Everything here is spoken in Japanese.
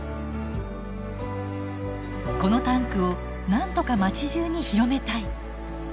このタンクをなんとか町じゅうに広めたい。